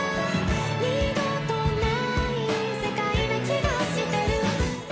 「二度とない世界な気がしてる」